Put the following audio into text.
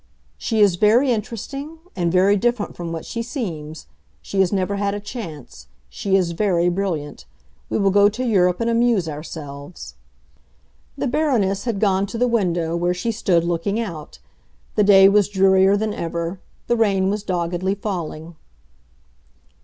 "She is very interesting, and very different from what she seems. She has never had a chance. She is very brilliant. We will go to Europe and amuse ourselves." The Baroness had gone to the window, where she stood looking out. The day was drearier than ever; the rain was doggedly falling.